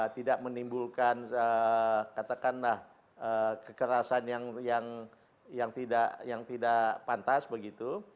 tidak menimbulkan katakanlah kekerasan yang tidak pantas begitu